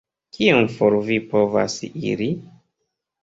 Kiom for vi povas iri?